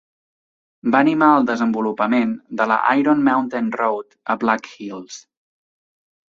Va animar al desenvolupament de la Iron Mountain Road a Black Hills.